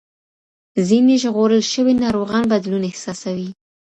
ځینې ژغورل شوي ناروغان بدلون احساسوي.